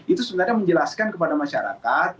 itu sebenarnya menjelaskan kepada masyarakat